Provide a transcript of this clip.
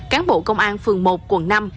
cán bộ công an phường một quận năm